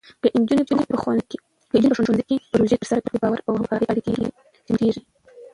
که نجونې په ښوونځي کې پروژې ترسره کړي، باور او همکارۍ اړیکې ټینګېږي.